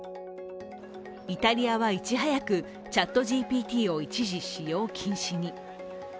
イタリアはいち早くＣｈａｔＧＰＴを一時使用禁止に。